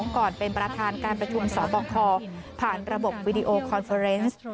ก่อนเป็นประธานการประชุมสบคผ่านระบบวิดีโอคอนเฟอร์เนส